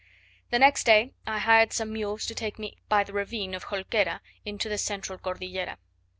The next day I hired some mules to take me by the ravine of Jolquera into the central Cordillera.